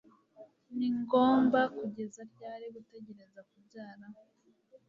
ningomba kugeza ryari gutegereza kubyara